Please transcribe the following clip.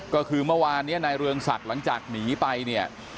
ก็คือเมื่อวานนี้นายเรืองศักดิ์หลังจากหนีไปเนี่ย